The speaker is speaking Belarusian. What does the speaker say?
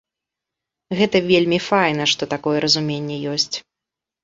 Гэта вельмі файна, што такое разуменне ёсць.